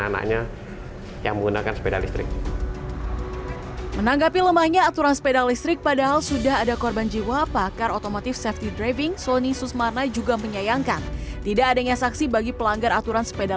dalam permenhub tersebut pengendara sepeda listrik berusia minimal dua belas tahun harus menggunakan helm dengan pengawasan orang tua dan hanya dapat digunakan pada kawasan tertentu